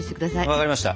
分かりました。